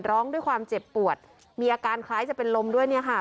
ร้องด้วยความเจ็บปวดมีอาการคล้ายจะเป็นลมด้วยเนี่ยค่ะ